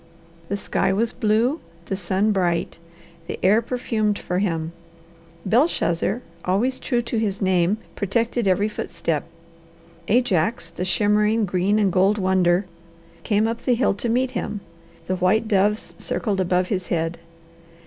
The sky was blue, the sun bright, the air perfumed for him; Belshazzar, always true to his name, protected every footstep; Ajax, the shimmering green and gold wonder, came up the hill to meet him; the white doves circled above his head.